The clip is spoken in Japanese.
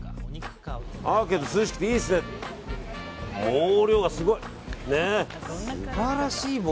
アーケード涼しくていいですね。